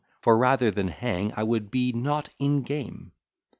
For, rather than hang, I would be _Not in game.